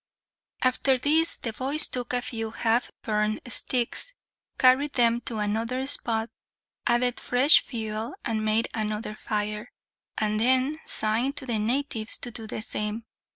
After this the boys took a few half burned sticks, carried them to another spot, added fresh fuel, and made another fire; and then signed to the natives to do the same.